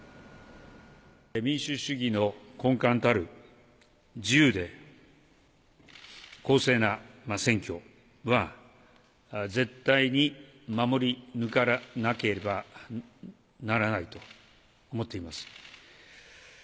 民主主義の根幹たる自由で公正な選挙は、絶対に守り抜かなければならないと思っています。